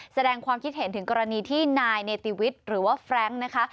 แสดงความคิดเห็นถึงกรณีที่นายเนติวิทย์หรือว่าแฟรงค์นะคะ